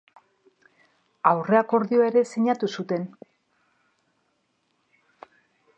Aurre-akordioa ere sinatu zuten.